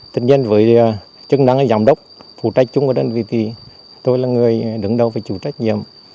tất nhiên với chức năng giám đốc phụ trách chúng của đơn vị thì tôi là người đứng đầu về chủ trách nhiệm